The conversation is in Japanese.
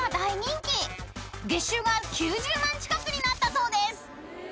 ［月収が９０万近くになったそうです］